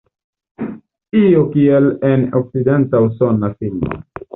Io kiel en okcidenta usona filmo.